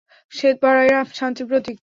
শ্বেত পায়রা শান্তির প্রতীক।